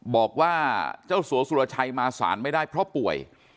บอกว่าเจ้าสัวสุรชัยมาศาลไม่ได้เพราะป่วย